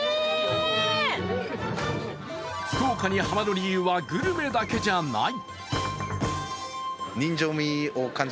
福岡にハマる理由はグルメだけじゃない。